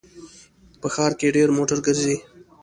په ښار کې ډېر موټر ګرځي